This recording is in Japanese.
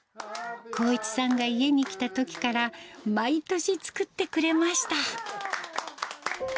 航一さんが家に来たときから、毎年作ってくれました。